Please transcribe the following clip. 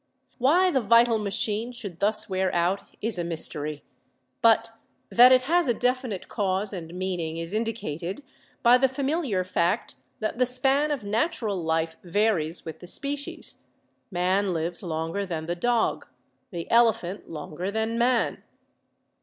Why the vital machine should thus wear out is a mystery, but that it has a definite cause and meaning is indicated by the familiar fact that the span of natural life varies with the species ; man lives longer than the dog, the elephant longer than man.